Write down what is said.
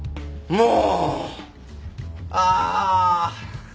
もう！